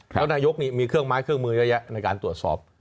แล้วนายกนี่มีเครื่องไม้เครื่องมือเยอะแยะในการตรวจสอบ